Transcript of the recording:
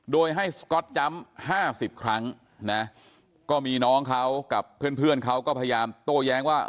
โดยให้สก๊อตจำ๕๐ครั้งนะก็มีน้องเขากับเพื่อนเพื่อนเขาก็พยายามโต้แย้งว่า